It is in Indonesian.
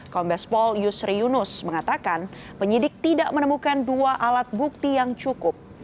kombespol yusri yunus mengatakan penyidik tidak menemukan dua alat bukti yang cukup